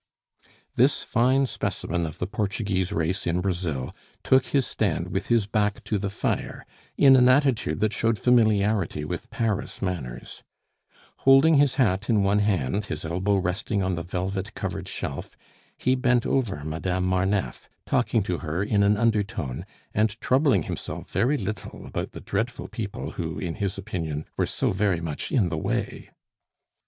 This fine specimen of the Portuguese race in Brazil took his stand with his back to the fire, in an attitude that showed familiarity with Paris manners; holding his hat in one hand, his elbow resting on the velvet covered shelf, he bent over Madame Marneffe, talking to her in an undertone, and troubling himself very little about the dreadful people who, in his opinion, were so very much in the way.